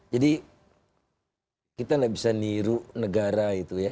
jadi kita tidak bisa niru negara itu ya